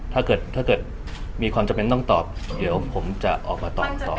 ถ้าเกิดมีความจำเป็นต้องตอบเดี๋ยวผมจะออกมาตอบกันครับ